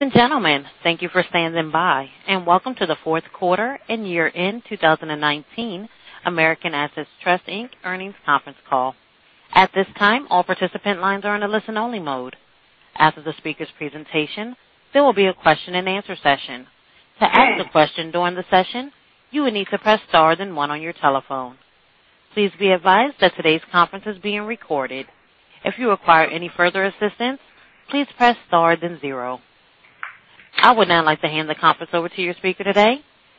Ladies and gentlemen, thank you for standing by, and welcome to the Fourth Quarter and Year-End 2019 American Assets Trust, Inc Earnings Conference Call. At this time, all participant lines are in a listen-only mode. After the speakers' presentation, there will be a question-and-answer session. To ask a question during the session, you will need to press star then one on your telephone. Please be advised that today's conference is being recorded. If you require any further assistance, please press star then zero. I would now like to hand the conference over to your speaker today,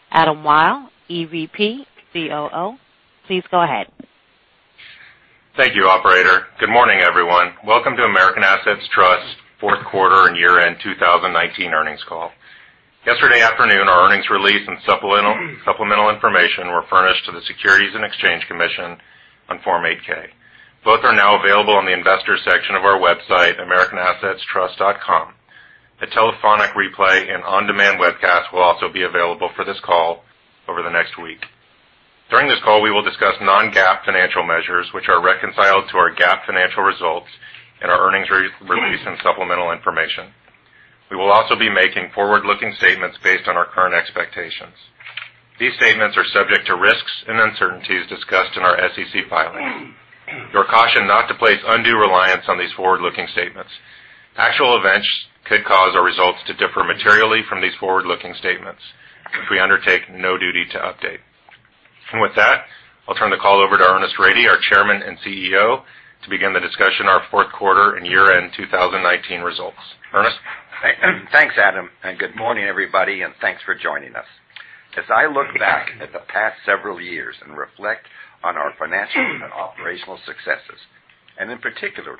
Adam Wyll, EVP, COO. Please go ahead. Thank you, operator. Good morning, everyone. Welcome to American Assets Trust Fourth Quarter and Year-End 2019 Earnings Call. Yesterday afternoon, our earnings release and supplemental information were furnished to the Securities and Exchange Commission on Form 8-K. Both are now available on the investors section of our website, americanassetstrust.com. A telephonic replay and on-demand webcast will also be available for this call over the next week. During this call, we will discuss non-GAAP financial measures which are reconciled to our GAAP financial results in our earnings release and supplemental information. We will also be making forward-looking statements based on our current expectations. These statements are subject to risks and uncertainties discussed in our SEC filings. You are cautioned not to place undue reliance on these forward-looking statements. Actual events could cause our results to differ materially from these forward-looking statements. We undertake no duty to update. With that, I'll turn the call over to Ernest Rady, our Chairman and CEO, to begin the discussion on our fourth quarter and year-end 2019 results. Ernest? Thanks, Adam. Good morning, everybody, and thanks for joining us. As I look back at the past several years and reflect on our financial and operational successes, and in particular,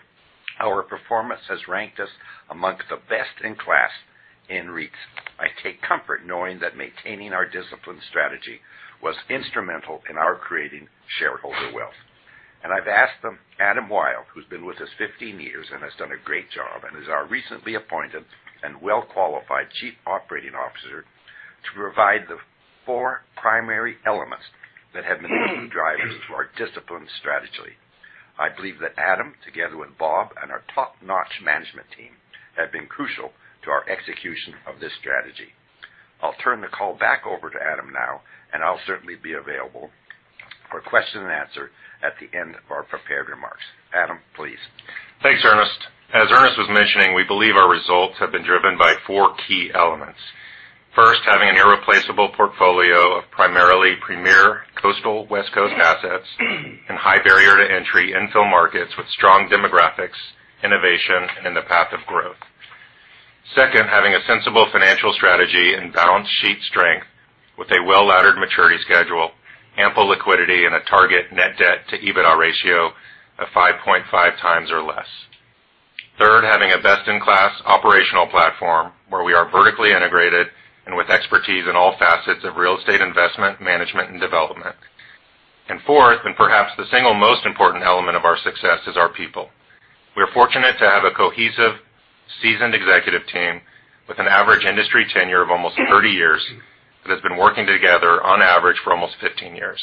our performance has ranked us amongst the best-in-class in REITs. I take comfort knowing that maintaining our disciplined strategy was instrumental in our creating shareholder wealth. I've asked Adam Wyll, who's been with us 15 years and has done a great job and is our recently appointed and well-qualified Chief Operating Officer, to provide the four primary elements that have been key drivers to our disciplined strategy. I believe that Adam, together with Bob and our top-notch management team, have been crucial to our execution of this strategy. I'll turn the call back over to Adam now, and I'll certainly be available for question and answer at the end of our prepared remarks. Adam, please. Thanks, Ernest. As Ernest was mentioning, we believe our results have been driven by four key elements. First, having an irreplaceable portfolio of primarily premier coastal West Coast assets in high barrier to entry infill markets with strong demographics, innovation, and in the path of growth. Second, having a sensible financial strategy and balance sheet strength with a well-laddered maturity schedule, ample liquidity, and a target net debt to EBITDA ratio of 5.5 times or less. Third, having a best-in-class operational platform where we are vertically integrated and with expertise in all facets of real estate investment, management, and development. Fourth, and perhaps the single most important element of our success is our people. We are fortunate to have a cohesive, seasoned executive team with an average industry tenure of almost 30 years that has been working together on average for almost 15 years.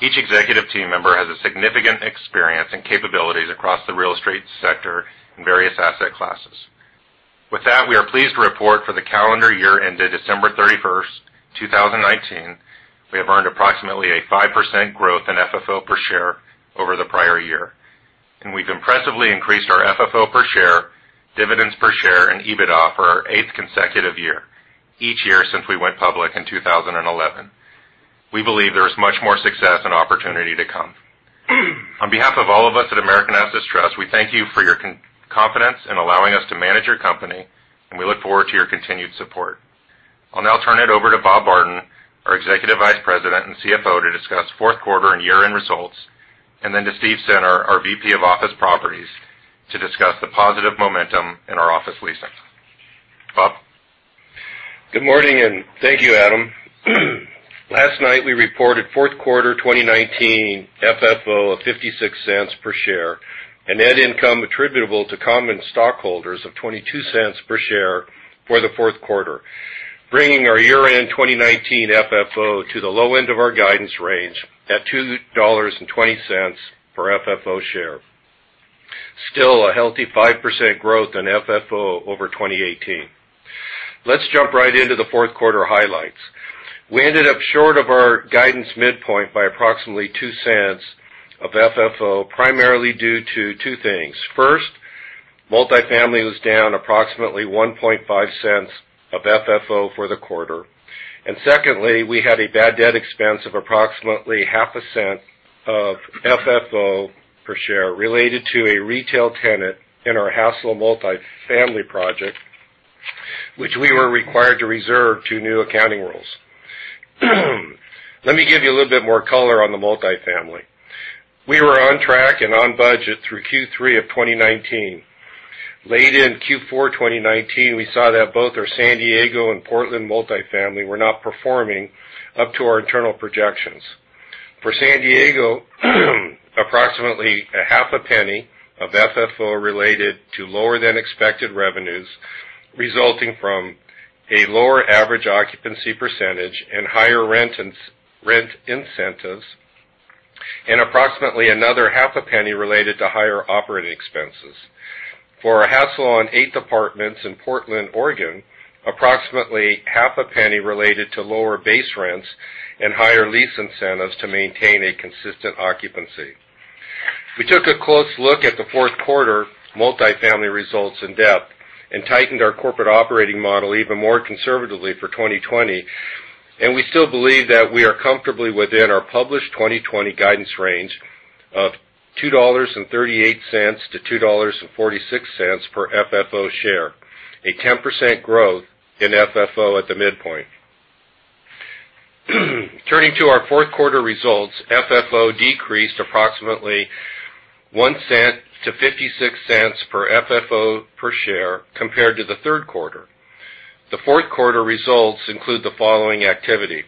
Each executive team member has a significant experience and capabilities across the real estate sector in various asset classes. With that, we are pleased to report for the calendar year ended December 31st, 2019, we have earned approximately a 5% growth in FFO per share over the prior year. We've impressively increased our FFO per share, dividends per share, and EBITDA for our eighth consecutive year, each year since we went public in 2011. We believe there is much more success and opportunity to come. On behalf of all of us at American Assets Trust, we thank you for your confidence in allowing us to manage your company, and we look forward to your continued support. I'll now turn it over to Robert Barton, our Executive Vice President and CFO, to discuss fourth quarter and year-end results, to Steve Center, our VP of Office Properties, to discuss the positive momentum in our office leasing. Bob? Good morning. Thank you, Adam. Last night, we reported fourth quarter 2019 FFO of $0.56 per share and net income attributable to common stockholders of $0.22 per share for the fourth quarter, bringing our year-end 2019 FFO to the low end of our guidance range at $2.20 per FFO share. Still a healthy 5% growth in FFO over 2018. Let's jump right into the fourth quarter highlights. We ended up short of our guidance midpoint by approximately $0.02 of FFO, primarily due to two things. First, multifamily was down approximately $0.015 of FFO for the quarter. Secondly, we had a bad debt expense of approximately $0.005 of FFO per share related to a retail tenant in our Hassalo multifamily project, which we were required to reserve to new accounting rules. Let me give you a little bit more color on the multifamily. We were on track and on budget through Q3 of 2019. Late in Q4 2019, we saw that both our San Diego and Portland multifamily were not performing up to our internal projections. For San Diego, approximately a half a penny of FFO related to lower-than-expected revenues resulting from a lower average occupancy percentage and higher rent incentives. Approximately another half a penny related to higher operating expenses. For our Hassalo on Eighth apartments in Portland, Oregon, approximately half a penny related to lower base rents and higher lease incentives to maintain a consistent occupancy. We took a close look at the fourth quarter multifamily results in depth and tightened our corporate operating model even more conservatively for 2020. We still believe that we are comfortably within our published 2020 guidance range of $2.38-$2.46 per FFO share, a 10% growth in FFO at the midpoint. Turning to our fourth quarter results, FFO decreased approximately $0.01-$0.56 per FFO per share compared to the third quarter. The fourth quarter results include the following activity.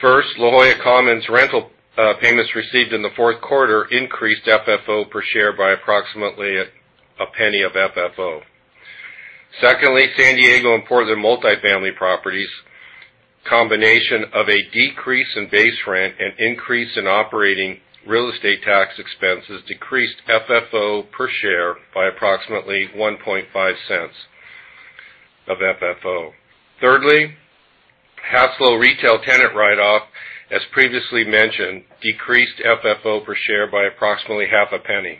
First, La Jolla Commons rental payments received in the fourth quarter increased FFO per share by approximately $0.01 of FFO. Secondly, San Diego and Portland multifamily properties, combination of a decrease in base rent and increase in operating real estate tax expenses decreased FFO per share by approximately $0.015 of FFO. Thirdly, Hassalo retail tenant write-off, as previously mentioned, decreased FFO per share by approximately $0.005.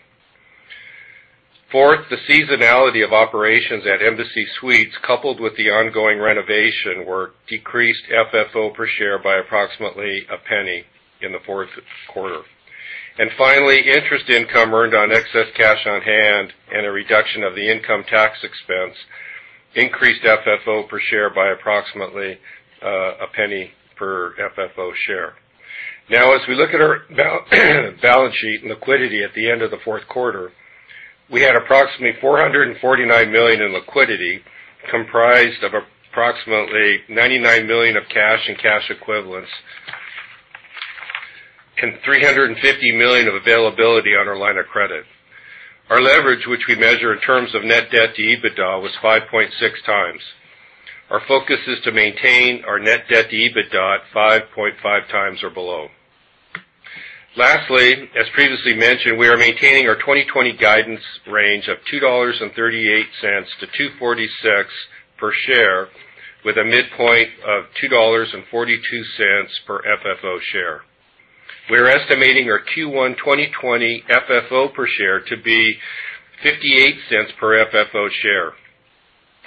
Fourth, the seasonality of operations at Embassy Suites by Hilton, coupled with the ongoing renovation work, decreased FFO per share by approximately $0.01 in the fourth quarter. Finally, interest income earned on excess cash on hand and a reduction of the income tax expense increased FFO per share by approximately $0.01 per FFO share. As we look at our balance sheet liquidity at the end of the fourth quarter, we had approximately $449 million in liquidity, comprised of approximately $99 million of cash and cash equivalents, and $350 million of availability on our line of credit. Our leverage, which we measure in terms of net debt to EBITDA, was 5.6 times. Our focus is to maintain our net debt to EBITDA at 5.5 times or below. Lastly, as previously mentioned, we are maintaining our 2020 guidance range of $2.38-$2.46 per share with a midpoint of $2.42 per FFO share. We're estimating our Q1 2020 FFO per share to be $0.58 per FFO share.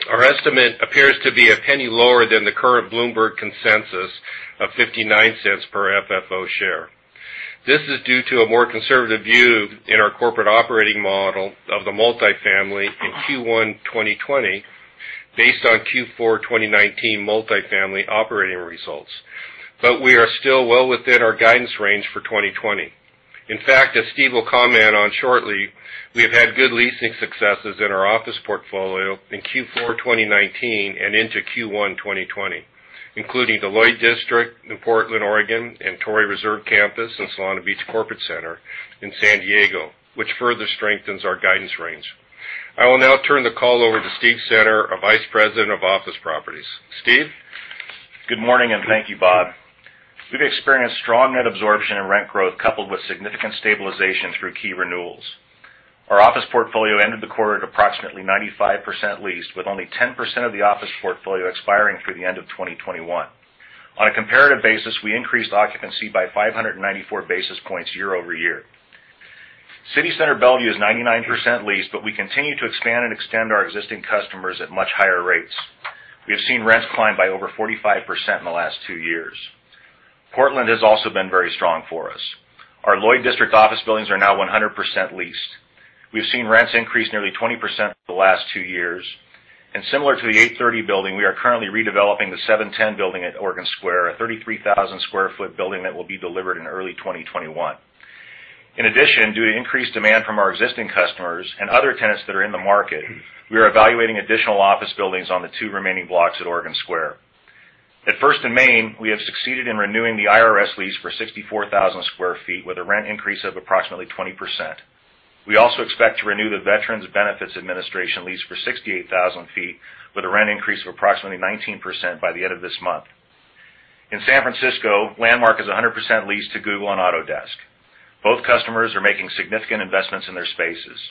Our estimate appears to be $0.01 lower than the current Bloomberg consensus of $0.59 per FFO share. This is due to a more conservative view in our corporate operating model of the multifamily in Q1 2020 based on Q4 2019 multifamily operating results. We are still well within our guidance range for 2020. In fact, as Steve will comment on shortly, we have had good leasing successes in our office portfolio in Q4 2019 and into Q1 2020, including the Lloyd District in Portland, Oregon, and Torrey Reserve Campus and Solana Beach Corporate Center in San Diego, which further strengthens our guidance range. I will now turn the call over to Steve Center, our Vice President of Office Properties. Steve? Good morning. Thank you, Bob. We've experienced strong net absorption and rent growth, coupled with significant stabilization through key renewals. Our office portfolio ended the quarter at approximately 95% leased, with only 10% of the office portfolio expiring through the end of 2021. On a comparative basis, we increased occupancy by 594 basis points year-over-year. City Center Bellevue is 99% leased. We continue to expand and extend our existing customers at much higher rates. We have seen rents climb by over 45% in the last two years. Portland has also been very strong for us. Our Lloyd District office buildings are now 100% leased. We've seen rents increase nearly 20% the last two years. Similar to the 830 building, we are currently redeveloping the 710 building at Oregon Square, a 33,000-square-foot building that will be delivered in early 2021. In addition, due to increased demand from our existing customers and other tenants that are in the market, we are evaluating additional office buildings on the two remaining blocks at Oregon Square. At First and Main, we have succeeded in renewing the IRS lease for 64,000 square feet with a rent increase of approximately 20%. We also expect to renew the Veterans Benefits Administration lease for 68,000 feet with a rent increase of approximately 19% by the end of this month. In San Francisco, Landmark is 100% leased to Google and Autodesk. Both customers are making significant investments in their spaces.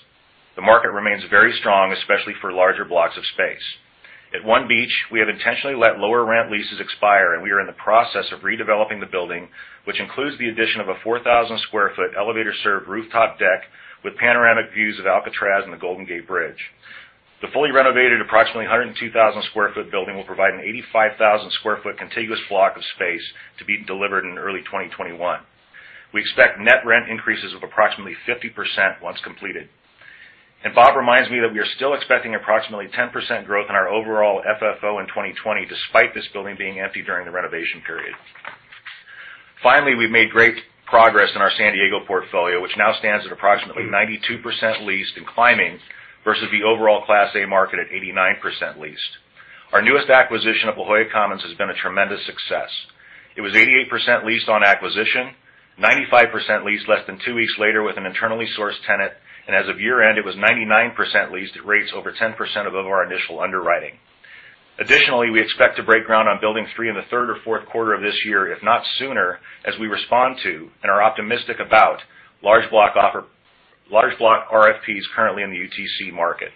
The market remains very strong, especially for larger blocks of space. At One Beach, we have intentionally let lower rent leases expire. We are in the process of redeveloping the building, which includes the addition of a 4,000-square-foot elevator-served rooftop deck with panoramic views of Alcatraz and the Golden Gate Bridge. The fully renovated approximately 102,000-square-foot building will provide an 85,000 square foot contiguous block of space to be delivered in early 2021. We expect net rent increases of approximately 50% once completed. Bob reminds me that we are still expecting approximately 10% growth in our overall FFO in 2020, despite this building being empty during the renovation period. Finally, we've made great progress in our San Diego portfolio, which now stands at approximately 92% leased and climbing versus the overall Class A market at 89% leased. Our newest acquisition of La Jolla Commons has been a tremendous success. It was 88% leased on acquisition, 95% leased less than two weeks later with an internally sourced tenant, and as of year-end, it was 99% leased at rates over 10% above our initial underwriting. We expect to break ground on building 3 in the third or fourth quarter of this year, if not sooner, as we respond to and are optimistic about large block RFPs currently in the UTC market.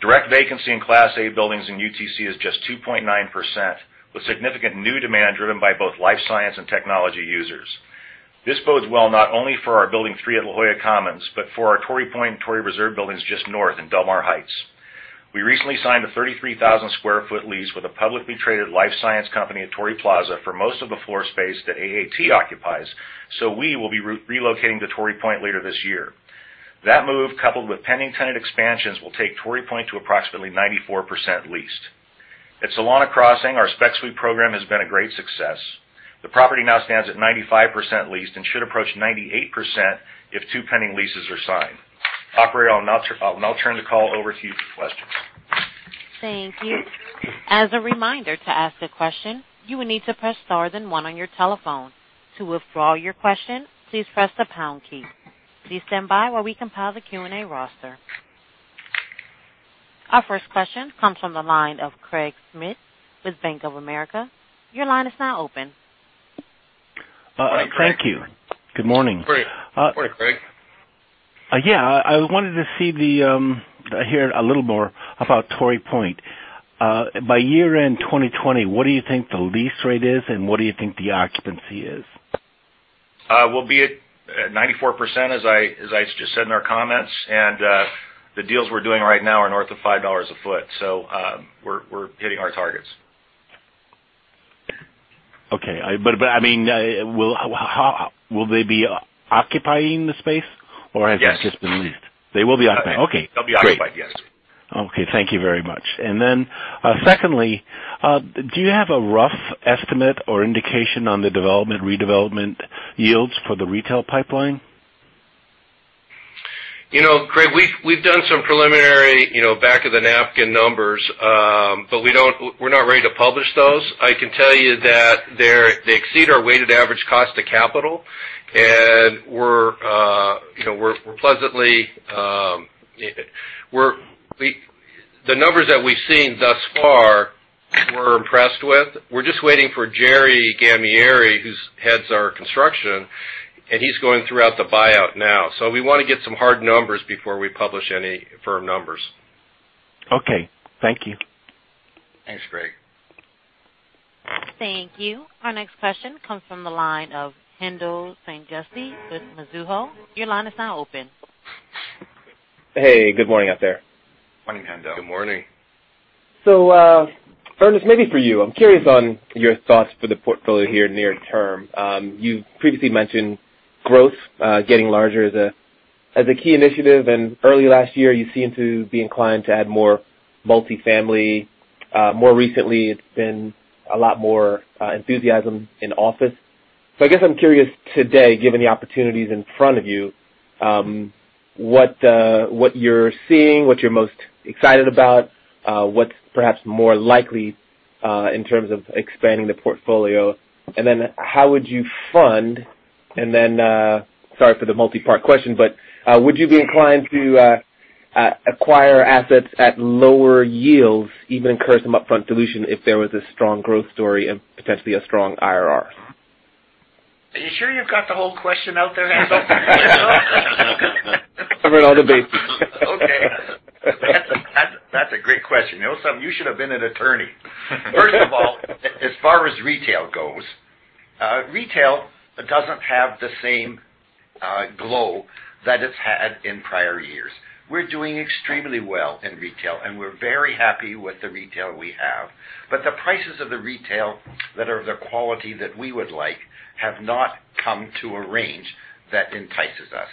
Direct vacancy in Class A buildings in UTC is just 2.9%, with significant new demand driven by both life science and technology users. This bodes well not only for our building 3 at La Jolla Commons, but for our Torrey Point and Torrey Reserve buildings just north in Del Mar Heights. We recently signed a 33,000 sq ft lease with a publicly traded life science company at Torrey Plaza for most of the floor space that AAT occupies. We will be relocating to Torrey Point later this year. That move, coupled with pending tenant expansions, will take Torrey Point to approximately 94% leased. At Solana Crossing, our spec suite program has been a great success. The property now stands at 95% leased and should approach 98% if two pending leases are signed. Operator, I'll now turn the call over to you for questions. Thank you. As a reminder, to ask a question, you will need to press star then one on your telephone. To withdraw your question, please press the pound key. Please stand by while we compile the Q&A roster. Our first question comes from the line of Craig Smith with Bank of America. Your line is now open. Hi, Craig. Thank you. Good morning. Great. Good morning, Craig. Yeah. I wanted to hear a little more about Torrey Point. By year-end 2020, what do you think the lease rate is, and what do you think the occupancy is? We'll be at 94%, as I just said in our comments, and the deals we're doing right now are north of $5 a foot. We're hitting our targets. Okay. Will they be occupying the space? Yes. Has it just been leased? They will be occupying. Okay, great. They'll be occupied, yes. Okay. Thank you very much. Secondly, do you have a rough estimate or indication on the development, redevelopment yields for the retail pipeline? Craig, we've done some preliminary back-of-the-napkin numbers, but we're not ready to publish those. I can tell you that they exceed our weighted average cost of capital, and the numbers that we've seen thus far, we're impressed with. We're just waiting for Jerry Gammieri, who heads our construction, and he's going throughout the buyout now. We want to get some hard numbers before we publish any firm numbers. Okay. Thank you. Thanks, Craig. Thank you. Our next question comes from the line of Haendel St. Juste with Mizuho. Your line is now open. Hey, good morning out there. Morning, Haendel. Good morning. Ernest, maybe for you. I'm curious on your thoughts for the portfolio here near term. You've previously mentioned growth, getting larger as a key initiative, and early last year, you seemed to be inclined to add more multi-family. More recently, it's been a lot more enthusiasm in office. I guess I'm curious today, given the opportunities in front of you, what you're seeing, what you're most excited about, what's perhaps more likely in terms of expanding the portfolio, and then how would you fund, and then, sorry for the multi-part question, but would you be inclined to acquire assets at lower yields, even incur some upfront dilution if there was a strong growth story and potentially a strong IRR? Are you sure you've got the whole question out there, Haendel? Covered all the bases. Okay. That's a great question. You should have been an attorney. First of all, as far as retail goes, retail doesn't have the same glow that it's had in prior years. We're doing extremely well in retail, and we're very happy with the retail we have. The prices of the retail that are the quality that we would like have not come to a range that entices us.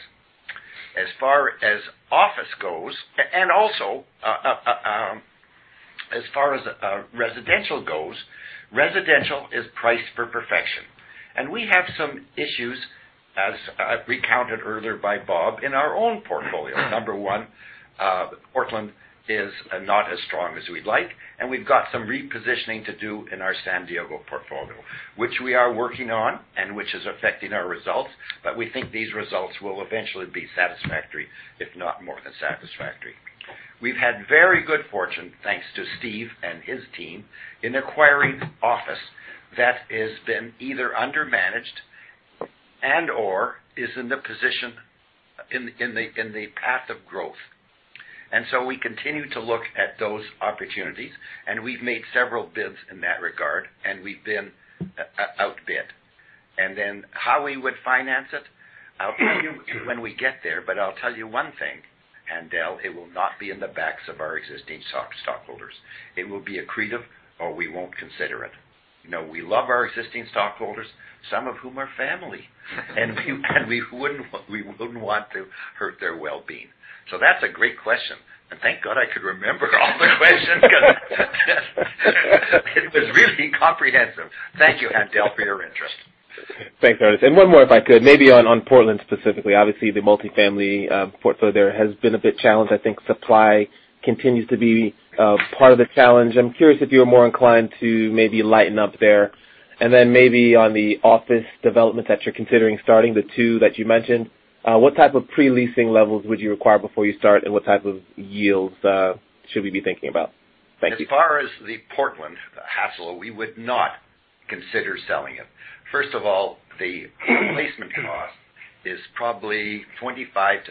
As far as office goes, also as far as residential goes, residential is priced for perfection. We have some issues, as recounted earlier by Bob, in our own portfolio. Number one, Portland is not as strong as we'd like, and we've got some repositioning to do in our San Diego portfolio, which we are working on and which is affecting our results, but we think these results will eventually be satisfactory, if not more than satisfactory. We've had very good fortune, thanks to Steve and his team, in acquiring office that has been either under-managed and/or is in the path of growth. We continue to look at those opportunities, and we've made several bids in that regard, and we've been outbid. How we would finance it, I'll tell you when we get there, but I'll tell you one thing, Haendel, it will not be in the backs of our existing stockholders. It will be accretive, or we won't consider it. We love our existing stockholders, some of whom are family, and we wouldn't want to hurt their well-being. That's a great question. Thank God I could remember all the questions because it was really comprehensive. Thank you, Haendel, for your interest. Thanks, Ernest. One more, if I could, maybe on Portland specifically. Obviously, the multifamily portfolio there has been a bit challenged. I think supply continues to be part of the challenge. I'm curious if you are more inclined to maybe lighten up there. Then maybe on the office development that you're considering starting, the two that you mentioned, what type of pre-leasing levels would you require before you start? What type of yields should we be thinking about? Thank you. The Portland asset, we would not consider selling it. The replacement cost is probably 25%-35%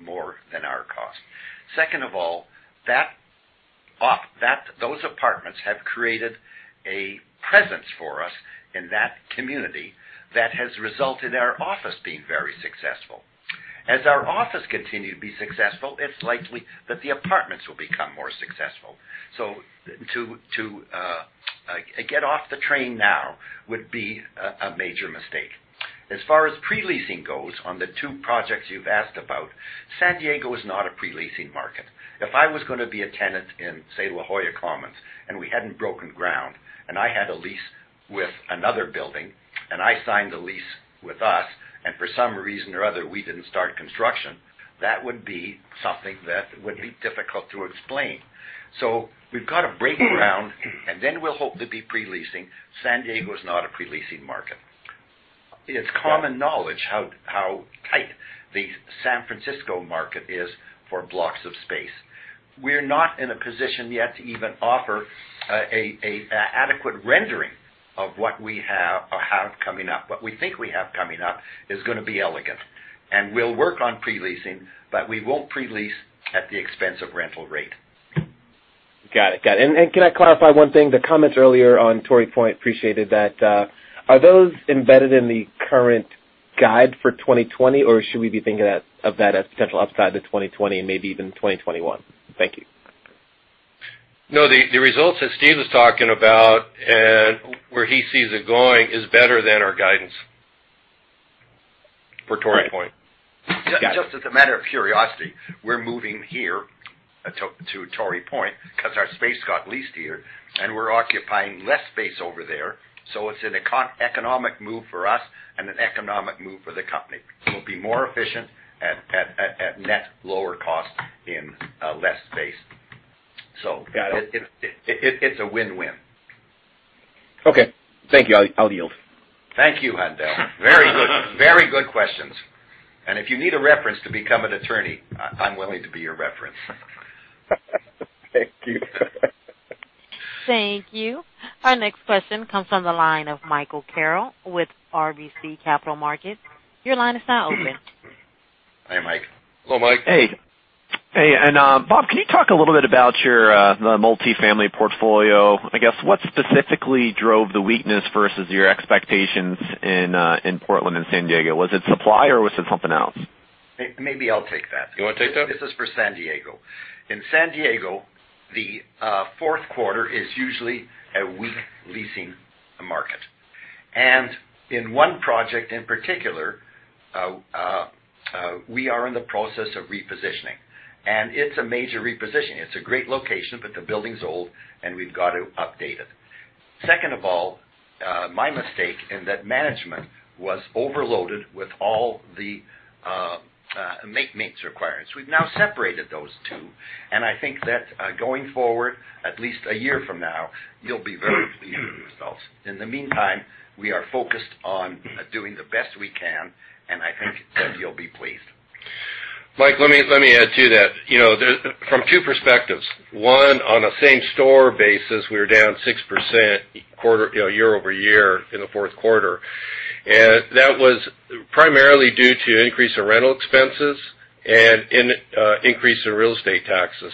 more than our cost. Those apartments have created a presence for us in that community that has resulted in our office being very successful. Our office continue to be successful, it's likely that the apartments will become more successful. To get off the train now would be a major mistake. Pre-leasing goes on the two projects you've asked about, San Diego is not a pre-leasing market. If I was going to be a tenant in, say, La Jolla Commons, and we hadn't broken ground, and I had a lease with another building, and I signed a lease with us, and for some reason or other, we didn't start construction, that would be something that would be difficult to explain. We've got to break ground, and then we'll hope to be pre-leasing. San Diego is not a pre-leasing market. It's common knowledge how tight the San Francisco market is for blocks of space. We're not in a position yet to even offer an adequate rendering of what we have coming up. What we think we have coming up is going to be elegant, and we'll work on pre-leasing, but we won't pre-lease at the expense of rental rate. Got it. Can I clarify one thing? The comments earlier on Torrey Point, appreciated that. Are those embedded in the current guide for 2020, or should we be thinking of that as potential upside to 2020 and maybe even 2021? Thank you. No, the results that Steve is talking about and where he sees it going is better than our guidance for Torrey Point. Got it. Just as a matter of curiosity, we're moving here to Torrey Point because our space got leased here, and we're occupying less space over there. It's an economic move for us and an economic move for the company. We'll be more efficient at net lower cost in less space. Got it. It's a win-win. Okay. Thank you. I'll yield. Thank you, Haendel. Very good questions. If you need a reference to become an attorney, I'm willing to be your reference. Thank you. Thank you. Our next question comes from the line of Michael Carroll with RBC Capital Markets. Your line is now open. Hi, Mike. Hello, Mike. Hey. Bob, can you talk a little bit about the multifamily portfolio? I guess, what specifically drove the weakness versus your expectations in Portland and San Diego? Was it supply or was it something else? Maybe I'll take that. You want to take that? This is for San Diego. In San Diego, the fourth quarter is usually a weak leasing market. In one project, in particular, we are in the process of repositioning, and it's a major reposition. It's a great location, but the building's old, and we've got to update it. Second of all, my mistake in that management was overloaded with all the make-meets requirements. We've now separated those two, and I think that going forward, at least a year from now, you'll be very pleased with the results. In the meantime, we are focused on doing the best we can, and I think that you'll be pleased. Mike, let me add to that from two perspectives. One, on a same-store basis, we were down 6% year-over-year in the fourth quarter. That was primarily due to an increase in rental expenses and an increase in real estate taxes.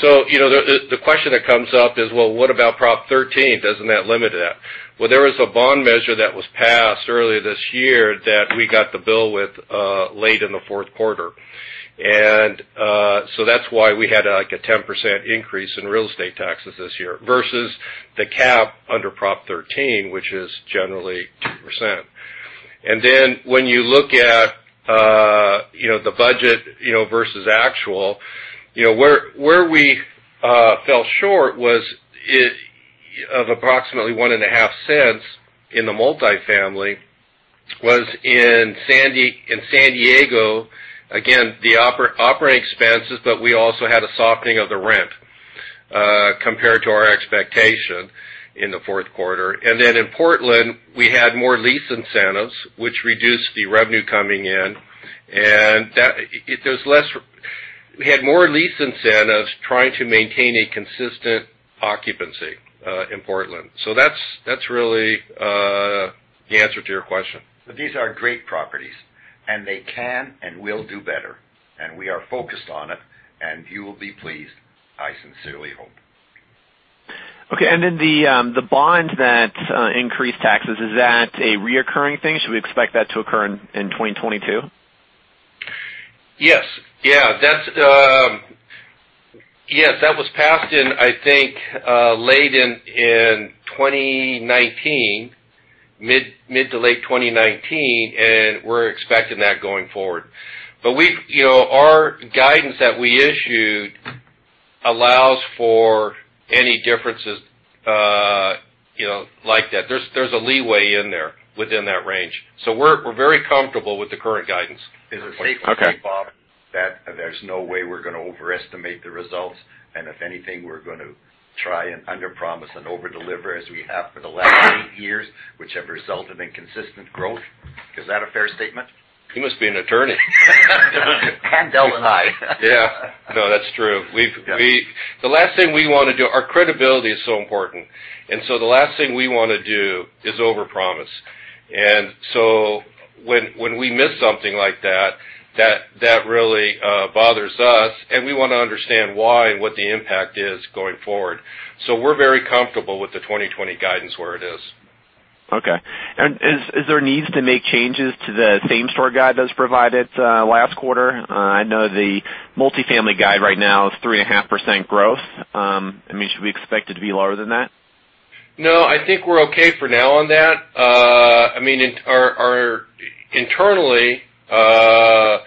The question that comes up is, well, what about Prop 13? Doesn't that limit that? Well, there was a bond measure that was passed earlier this year that we got the bill with late in the fourth quarter. That's why we had a 10% increase in real estate taxes this year versus the cap under Prop 13, which is generally 2%. When you look at the budget versus actual, where we fell short was of approximately $0.015 in the multifamily was in San Diego, again, the operating expenses, but we also had a softening of the rent compared to our expectation in the fourth quarter. In Portland, we had more lease incentives, which reduced the revenue coming in. We had more lease incentives trying to maintain a consistent occupancy, in Portland. That's really the answer to your question. These are great properties, and they can and will do better. We are focused on it, and you will be pleased, I sincerely hope. Okay. The bond that increased taxes, is that a recurring thing? Should we expect that to occur in 2022? Yes. That was passed in late in 2019, mid to late 2019. We're expecting that going forward. Our guidance that we issued allows for any differences like that. There's a leeway in there within that range. We're very comfortable with the current guidance. Is it safe to say, Bob? There's no way we're going to overestimate the results, and if anything, we're going to try and underpromise and over-deliver, as we have for the last eight years, which have resulted in consistent growth. Is that a fair statement? He must be an attorney. Dell and I. Yeah. No, that's true. Our credibility is so important. The last thing we want to do is overpromise. When we miss something like that really bothers us, and we want to understand why and what the impact is going forward. We're very comfortable with the 2020 guidance where it is. Okay. Is there needs to make changes to the same-store guide that was provided last quarter? I know the multi-family guide right now is 3.5% growth. Should we expect it to be lower than that? No, I think we're okay for now on that. Internally, the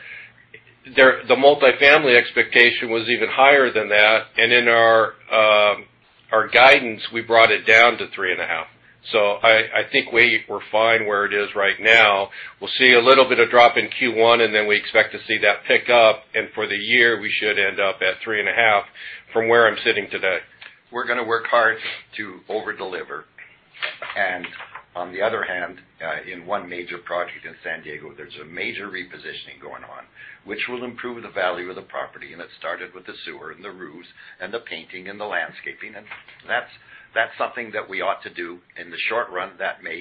multi-family expectation was even higher than that, and in our guidance, we brought it down to three and a half. I think we were fine where it is right now. We'll see a little bit of drop in Q1, and then we expect to see that pick up, and for the year, we should end up at three and a half from where I'm sitting today. We're going to work hard to over-deliver. On the other hand, in one major project in San Diego, there's a major repositioning going on, which will improve the value of the property, and it started with the sewer and the roofs and the painting and the landscaping. That's something that we ought to do. In the short run, the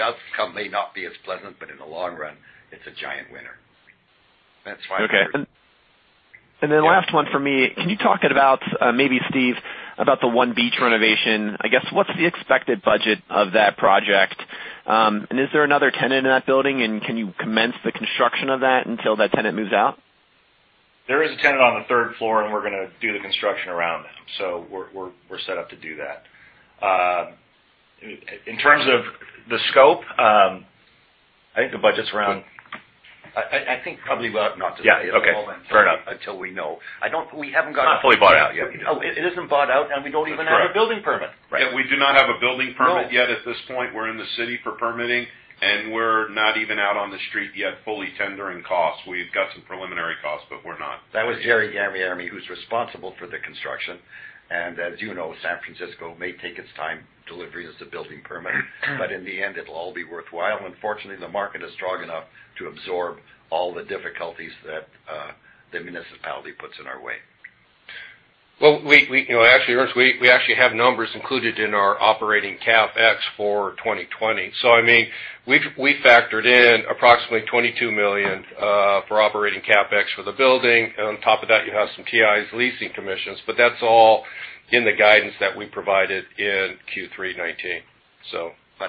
outcome may not be as pleasant, but in the long run, it's a giant winner. Okay. Last one for me. Can you talk about, maybe Steve, about the One Beach renovation? I guess, what's the expected budget of that project, and is there another tenant in that building, and can you commence the construction of that until that tenant moves out? There is a tenant on the third floor, and we're going to do the construction around them. We're set up to do that. In terms of the scope, I think the budget's around. I think probably we ought not to say at the moment. Yeah. Okay. Fair enough. Until we know. We haven't. It's not fully bought out yet. Oh, it isn't bought out, and we don't even have a building permit. Right? Yeah, we do not have a building permit yet at this point. We're in the city for permitting, and we're not even out on the street yet fully tendering costs. We've got some preliminary costs, but we're not. That was Jerry Gammieri, who's responsible for the construction. As you know, San Francisco may take its time delivering us a building permit, but in the end, it'll all be worthwhile. Fortunately, the market is strong enough to absorb all the difficulties that the municipality puts in our way. Well, actually, Ernest, we actually have numbers included in our operating CapEx for 2020. We factored in approximately $22 million for operating CapEx for the building. On top of that, you have some TIs, leasing commissions, but that's all in the guidance that we provided in Q3 2019.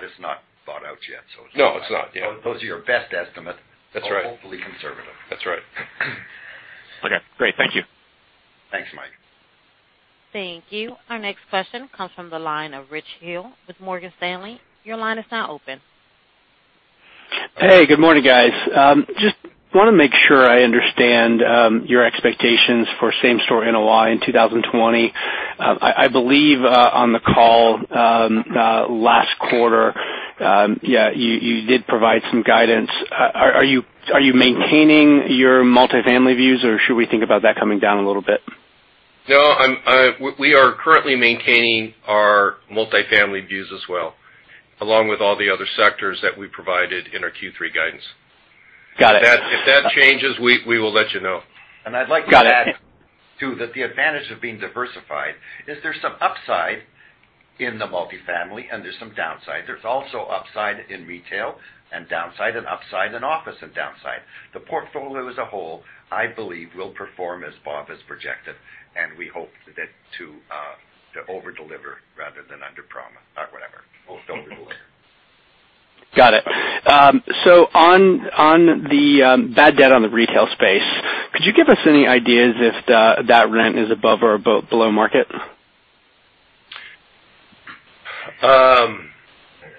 It's not thought out yet. No, it's not. Yeah. Those are your best estimate- That's right. Hopefully conservative. That's right. Okay, great. Thank you. Thanks, Mike. Thank you. Our next question comes from the line of Richard Hill with Morgan Stanley. Your line is now open. Hey, good morning, guys. Just want to make sure I understand your expectations for same-store NOI in 2020. I believe on the call last quarter, you did provide some guidance. Are you maintaining your multi-family views, or should we think about that coming down a little bit? No, we are currently maintaining our multi-family views as well, along with all the other sectors that we provided in our Q3 guidance. Got it. If that changes, we will let you know. Got it. I'd like to add too, that the advantage of being diversified is there's some upside in the multi-family, and there's some downside. There's also upside in retail and downside, and upside in office and downside. The portfolio as a whole, I believe, will perform as Bob has projected, and we hope to over-deliver rather than under promise or whatever. Over-deliver. Got it. On the bad debt on the retail space, could you give us any ideas if that rent is above or below market?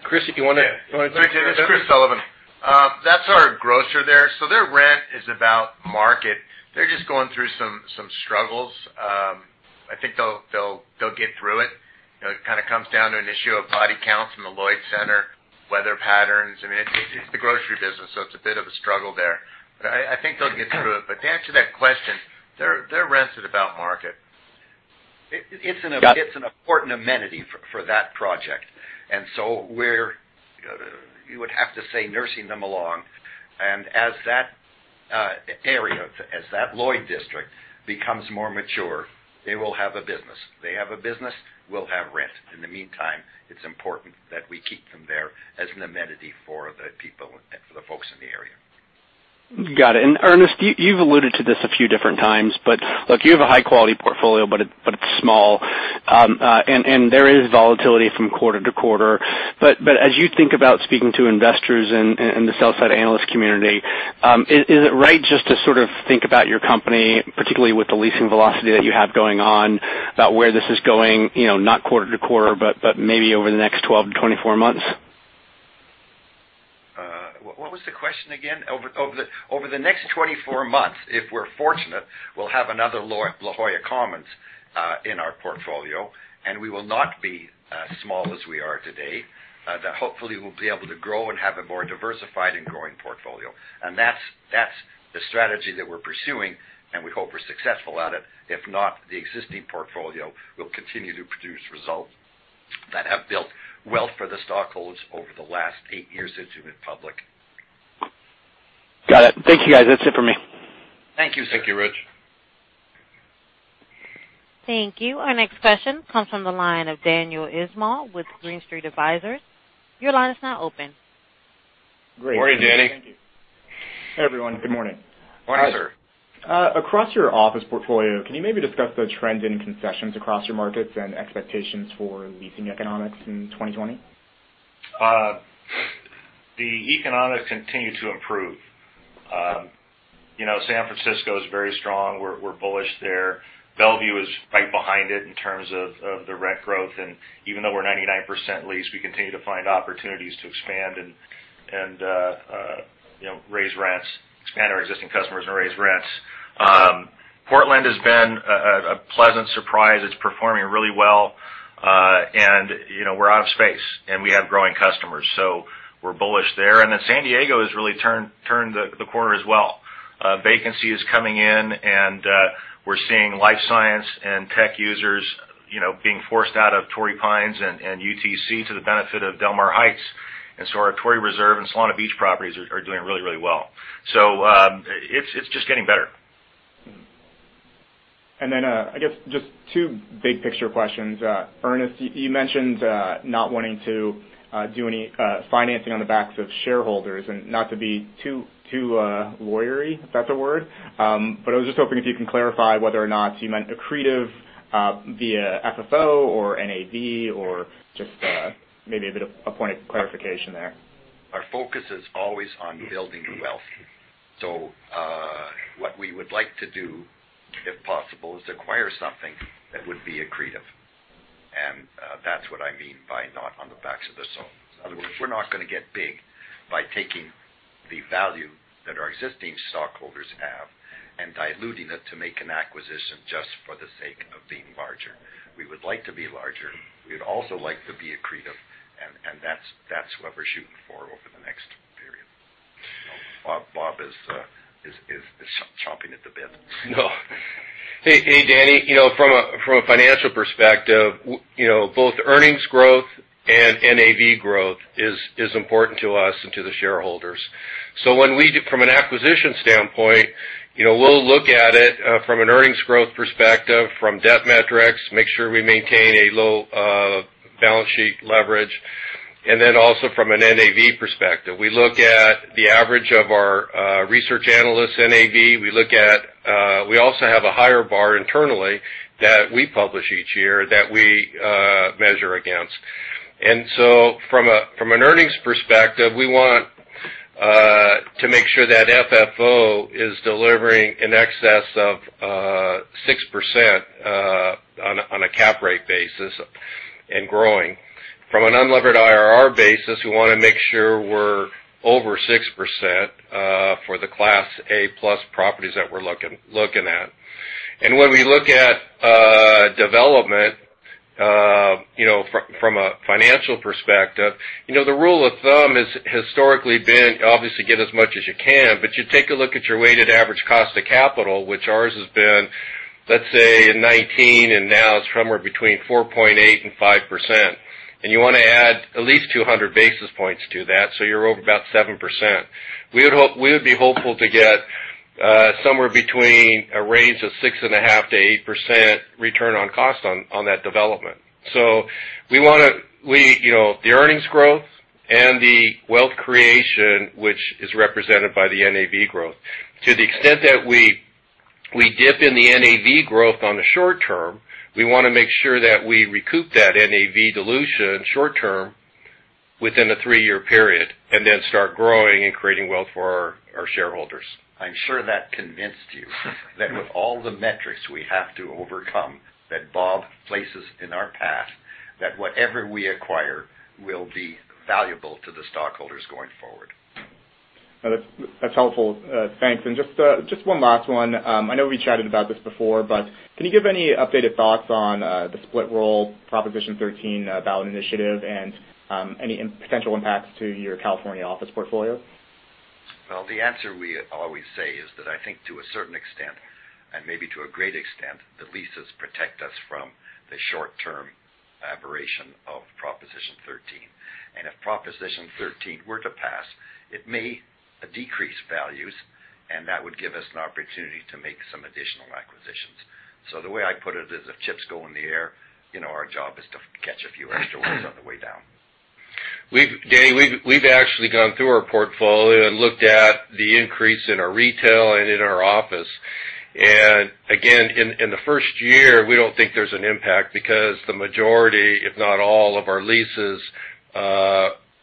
Chris, if you want to. This is Chris Sullivan. That's our grocer there. Their rent is about market. They're just going through some struggles. I think they'll get through it. It kind of comes down to an issue of body count from the Lloyd Center, weather patterns. It's the grocery business, so it's a bit of a struggle there. I think they'll get through it. To answer that question, their rent's at about market. It's an important amenity for that project, we're, you would have to say, nursing them along. As that area, as that Lloyd District becomes more mature, they will have a business. They have a business, we'll have rent. In the meantime, it's important that we keep them there as an amenity for the people and for the folks in the area. Got it. Ernest, you've alluded to this a few different times, but look, you have a high-quality portfolio, but it's small. There is volatility from quarter to quarter. As you think about speaking to investors and the sell-side analyst community, is it right just to sort of think about your company, particularly with the leasing velocity that you have going on, about where this is going, not quarter to quarter, but maybe over the next 12-24 months? What was the question again? Over the next 24 months, if we're fortunate, we'll have another La Jolla Commons in our portfolio, and we will not be as small as we are today. Hopefully we'll be able to grow and have a more diversified and growing portfolio. That's the strategy that we're pursuing, and we hope we're successful at it, if not, the existing portfolio will continue to produce results that have built wealth for the stockholders over the last eight years since we've been public. Got it. Thank you, guys. That's it for me. Thank you, sir. Thank you, Rich. Thank you. Our next question comes from the line of Daniel Ismail with Green Street Advisors. Your line is now open. Morning, Daniel. Hey, everyone. Good morning. Morning, sir. Across your office portfolio, can you maybe discuss the trend in concessions across your markets and expectations for leasing economics in 2020? The economics continue to improve. San Francisco is very strong. We're bullish there. Bellevue is right behind it in terms of the rent growth, even though we're 99% leased, we continue to find opportunities to expand and raise rents, expand our existing customers, and raise rents. Portland has been a pleasant surprise. It's performing really well. We're out of space, we have growing customers, we're bullish there. San Diego has really turned the corner as well. Vacancy is coming in, and we're seeing life science and tech users being forced out of Torrey Pines and UTC to the benefit of Del Mar Heights. Our Torrey Reserve and Solana Beach properties are doing really, really well. It's just getting better. I guess just two big-picture questions. Ernest, you mentioned not wanting to do any financing on the backs of shareholders and not to be too lawyery, if that's a word. I was just hoping if you can clarify whether or not you meant accretive via FFO or NAV or just maybe a bit of a point of clarification there. Our focus is always on building wealth. What we would like to do, if possible, is acquire something that would be accretive. That's what I mean by not on the backs of this. In other words, we're not going to get big by taking the value that our existing stockholders have and diluting it to make an acquisition just for the sake of being larger. We would like to be larger. We'd also like to be accretive, and that's what we're shooting for over the next period. Bob is chomping at the bit. Hey, Daniel. From a financial perspective, both earnings growth and NAV growth is important to us and to the shareholders. From an acquisition standpoint, we'll look at it from an earnings growth perspective, from debt metrics, make sure we maintain a low balance sheet leverage, and then also from an NAV perspective. We look at the average of our research analysts' NAV. We also have a higher bar internally that we publish each year that we measure against. From an earnings perspective, we want to make sure that FFO is delivering in excess of 6% on a cap rate basis and growing. From an unlevered IRR basis, we want to make sure we're over 6% for the Class A-plus properties that we're looking at. When we look at development from a financial perspective, the rule of thumb has historically been, obviously, get as much as you can, but you take a look at your weighted average cost of capital, which ours has been, let's say, in 2019, and now it's somewhere between 4.8% and 5%. You want to add at least 200 basis points to that, so you're over about 7%. We would be hopeful to get somewhere between a range of 6.5% -8% return on cost on that development. The earnings growth and the wealth creation, which is represented by the NAV growth. To the extent that we dip in the NAV growth on the short term, we want to make sure that we recoup that NAV dilution short term within a three-year period, and then start growing and creating wealth for our shareholders. I'm sure that convinced you that with all the metrics we have to overcome, that Bob places in our path, that whatever we acquire will be valuable to the stockholders going forward. That's helpful. Thanks. Just one last one. I know we chatted about this before, but can you give any updated thoughts on the split roll Proposition 13 ballot initiative and any potential impacts to your California office portfolio? Well, the answer we always say is that I think to a certain extent, and maybe to a great extent, the leases protect us from the short-term aberration of Proposition 13. If Proposition 13 were to pass, it may decrease values, and that would give us an opportunity to make some additional acquisitions. The way I put it is, if chips go in the air, our job is to catch a few extra ones on the way down. Daniel, we've actually gone through our portfolio and looked at the increase in our retail and in our office. Again, in the first year, we don't think there's an impact because the majority, if not all of our leases,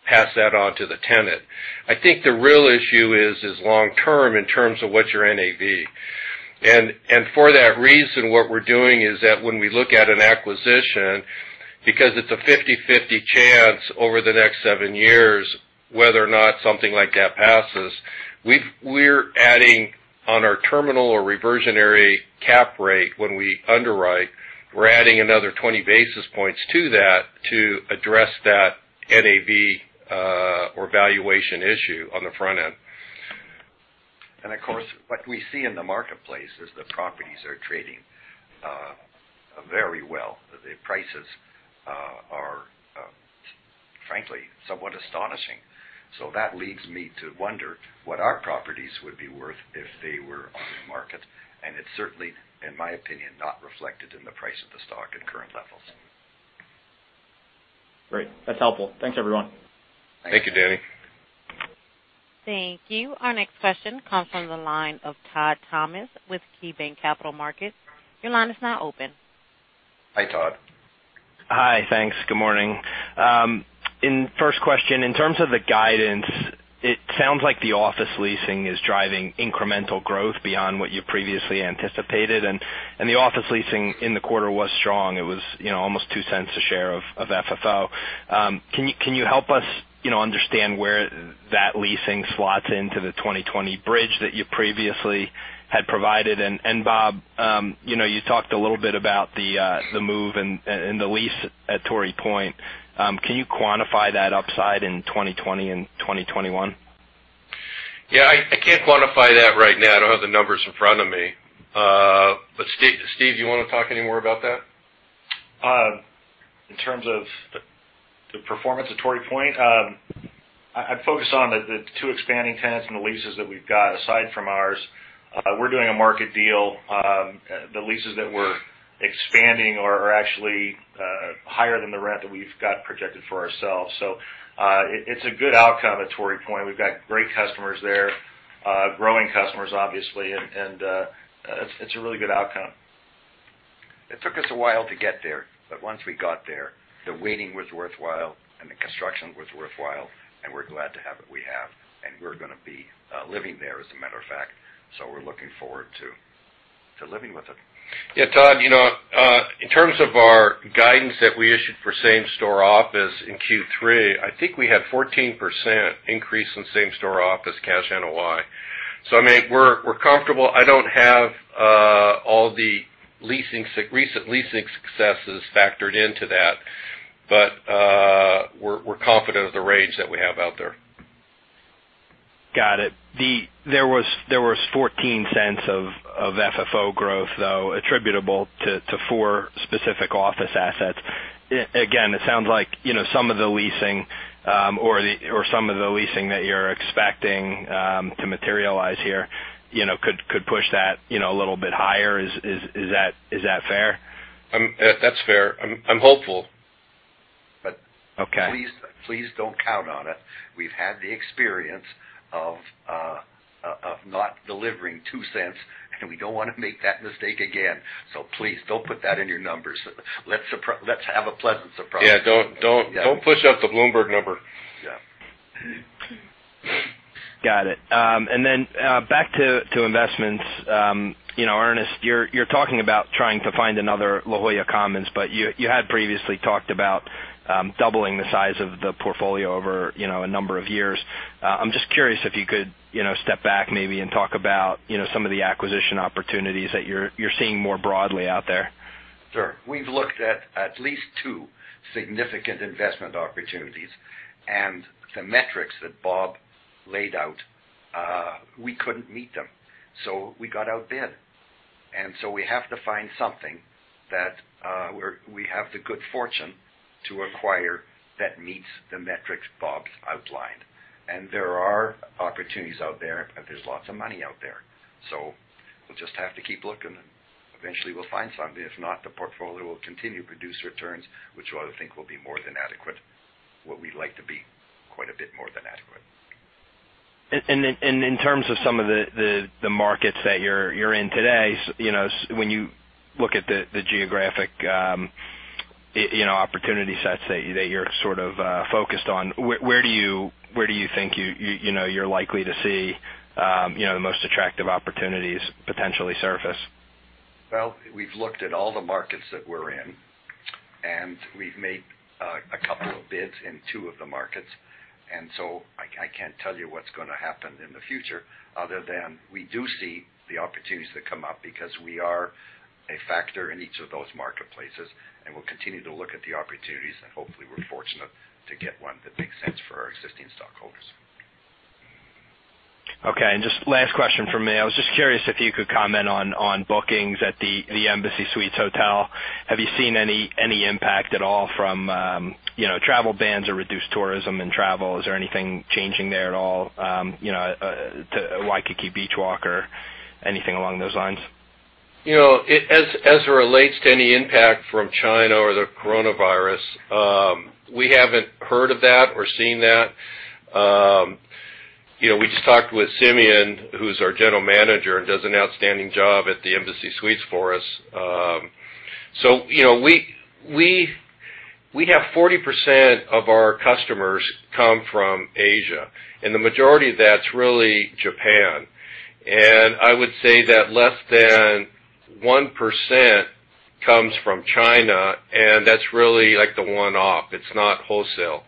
pass that on to the tenant. I think the real issue is long-term in terms of what your NAV. For that reason, what we're doing is that when we look at an acquisition, because it's a 50/50 chance over the next seven years, whether or not something like that passes, we're adding on our terminal or reversionary cap rate when we underwrite, we're adding another 20 basis points to that to address that NAV. Or valuation issue on the front end. Of course, what we see in the marketplace is that properties are trading very well. The prices are frankly somewhat astonishing. That leads me to wonder what our properties would be worth if they were on the market. It's certainly, in my opinion, not reflected in the price of the stock at current levels. Great. That's helpful. Thanks, everyone. Thank you, Daniel. Thank you. Our next question comes from the line of Todd Thomas with KeyBanc Capital Markets. Your line is now open. Hi, Todd. Hi. Thanks. Good morning. First question, in terms of the guidance, it sounds like the office leasing is driving incremental growth beyond what you previously anticipated, and the office leasing in the quarter was strong. It was almost $0.02 a share of FFO. Can you help us understand where that leasing slots into the 2020 bridge that you previously had provided? Bob, you talked a little bit about the move and the lease at Torrey Point. Can you quantify that upside in 2020 and 2021? Yeah, I can't quantify that right now. I don't have the numbers in front of me. Steve, do you want to talk any more about that? In terms of the performance at Torrey Point? I'd focus on the two expanding tenants and the leases that we've got aside from ours. We're doing a market deal. The leases that we're expanding are actually higher than the rent that we've got projected for ourselves. It's a good outcome at Torrey Point. We've got great customers there, growing customers, obviously. It's a really good outcome. It took us a while to get there. Once we got there, the waiting was worthwhile. The construction was worthwhile. We're glad to have what we have. We're going to be living there, as a matter of fact. We're looking forward to living with it. Yeah, Todd, in terms of our guidance that we issued for same-store office in Q3, I think we had 14% increase in same-store office cash NOI. I mean, we're comfortable. I don't have all the recent leasing successes factored into that, but we're confident of the rates that we have out there. Got it. There was $0.14 of FFO growth, though, attributable to four specific office assets. Again, it sounds like some of the leasing or some of the leasing that you're expecting to materialize here could push that a little bit higher. Is that fair? That's fair. I'm hopeful. Okay. Please don't count on it. We've had the experience of not delivering $0.02, and we don't want to make that mistake again. Please don't put that in your numbers. Let's have a pleasant surprise. Yeah, don't push up the Bloomberg number. Yeah. Got it. Back to investments. Ernest, you're talking about trying to find another La Jolla Commons, you had previously talked about doubling the size of the portfolio over a number of years. I'm just curious if you could step back maybe and talk about some of the acquisition opportunities that you're seeing more broadly out there. Sure. We've looked at least two significant investment opportunities. The metrics that Bob laid out, we couldn't meet them. We got outbid, and so we have to find something that we have the good fortune to acquire that meets the metrics Bob's outlined. There are opportunities out there, and there's lots of money out there. We'll just have to keep looking, and eventually we'll find something. If not, the portfolio will continue to produce returns, which I think will be more than adequate. What we'd like to be quite a bit more than adequate. In terms of some of the markets that you're in today, when you look at the geographic opportunity sets that you're sort of focused on, where do you think you're likely to see the most attractive opportunities potentially surface? Well, we've looked at all the markets that we're in, and we've made a couple of bids in two of the markets, and so I can't tell you what's going to happen in the future other than we do see the opportunities that come up because we are a factor in each of those marketplaces, and we'll continue to look at the opportunities and hopefully we're fortunate to get one that makes sense for our existing stockholders. Okay, just last question from me. I was just curious if you could comment on bookings at the Embassy Suites hotel. Have you seen any impact at all from travel bans or reduced tourism and travel? Is there anything changing there at all, to Waikiki Beach Walk or anything along those lines? As it relates to any impact from China or the coronavirus, we haven't heard of that or seen that. We just talked with Simeon, who's our general manager and does an outstanding job at the Embassy Suites for us. We have 40% of our customers come from Asia, and the majority of that's really Japan. I would say that less than 1% comes from China, and that's really like the one-off. It's not wholesale.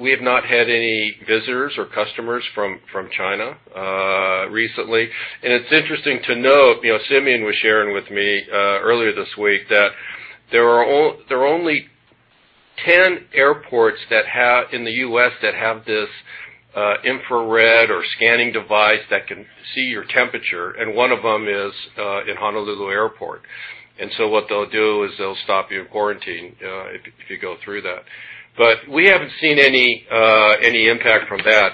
We have not had any visitors or customers from China. Recently. It's interesting to note, Simeon was sharing with me earlier this week that there are only 10 airports in the U.S. that have this infrared or scanning device that can see your temperature, and one of them is in Honolulu Airport. What they'll do is they'll stop you and quarantine if you go through that. We haven't seen any impact from that.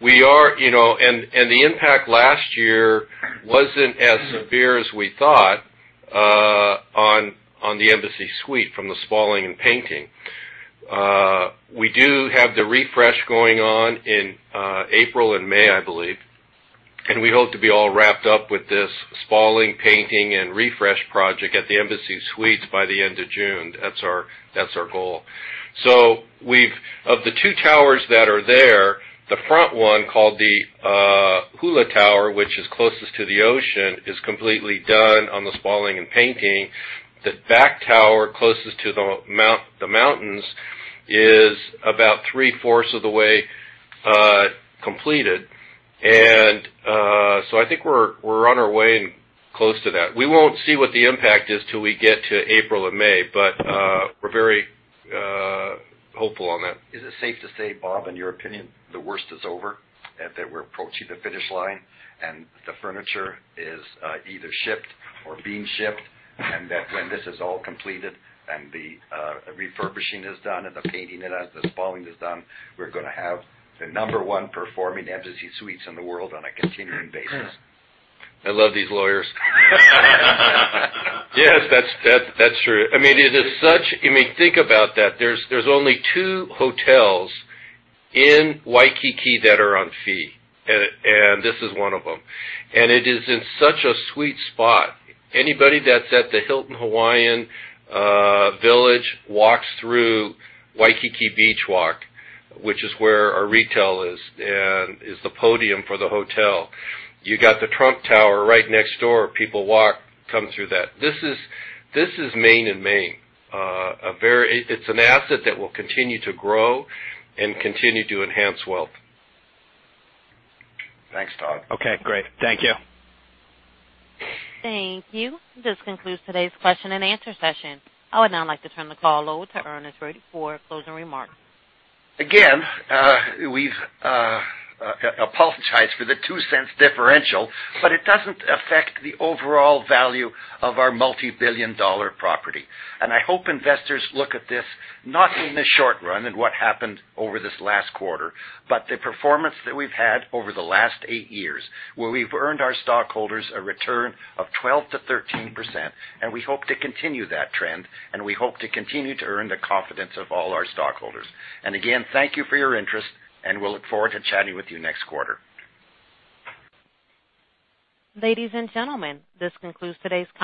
The impact last year wasn't as severe as we thought on the Embassy Suites from the spalling and painting. We do have the refresh going on in April and May, I believe. We hope to be all wrapped up with this spalling, painting, and refresh project at the Embassy Suites by the end of June. That's our goal. Of the two towers that are there, the front one, called the Hula Tower, which is closest to the ocean, is completely done on the spalling and painting. The back tower, closest to the mountains, is about three-fourths of the way completed. I think we're on our way and close to that. We won't see what the impact is till we get to April and May, but we're very hopeful on that. Is it safe to say, Bob, in your opinion, the worst is over, and that we're approaching the finish line, and the furniture is either shipped or being shipped, and that when this is all completed, and the refurbishing is done, and the painting and the spalling is done, we're going to have the number one performing Embassy Suites in the world on a continuing basis? I love these lawyers. Yes, that's true. Think about that. There's only two hotels in Waikiki that are on fee, and this is one of them. It is in such a sweet spot. Anybody that's at the Hilton Hawaiian Village walks through Waikiki Beach Walk, which is where our retail is, and is the podium for the hotel. You got the Trump Tower right next door. People walk, come through that. This is main and main. It's an asset that will continue to grow and continue to enhance wealth. Thanks, Todd. Okay, great. Thank you. Thank you. This concludes today's question and answer session. I would now like to turn the call over to Ernest Rady for closing remarks. Again, we apologize for the $0.02 differential, but it doesn't affect the overall value of our multibillion-dollar property. I hope investors look at this not in the short run and what happened over this last quarter, but the performance that we've had over the last eight years, where we've earned our stockholders a return of 12%-13%, and we hope to continue that trend, and we hope to continue to earn the confidence of all our stockholders. Again, thank you for your interest, and we'll look forward to chatting with you next quarter. Ladies and gentlemen, this concludes today's call.